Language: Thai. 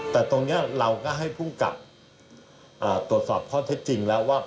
แต่ตรงนี้เราก็ให้ผู้กับกดสอบเพราะใช้จริงแล้วว่า